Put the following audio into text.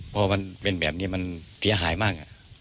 พอมันเป็นแบบนี้มันเสียหายมาก